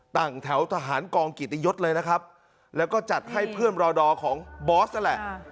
ตั้งแถวทหารกองกิตยศเลยนะครับแล้วก็จัดให้เพื่อนรอดอของบอสนั่นแหละ